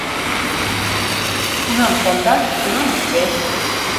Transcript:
Кунам кондат, кунам уке.